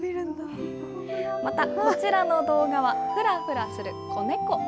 またこちらの動画はふらふらする子猫。